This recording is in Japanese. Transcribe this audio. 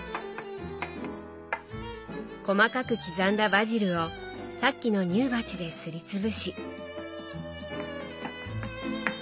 細かく刻んだバジルをさっきの乳鉢ですりつぶし。